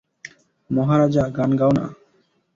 মহারাজা, গান গাও না!